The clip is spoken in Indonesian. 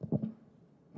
karena cerjaan kita